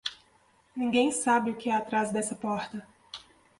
Ninguém sabe o que há por trás dessa porta.